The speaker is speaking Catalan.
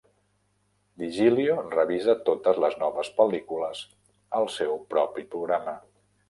Digilio revisa totes les noves pel·lícules al seu propi programa.